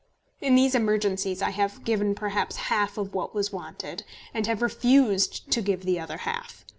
In these emergencies I have given perhaps half what was wanted, and have refused to give the other half.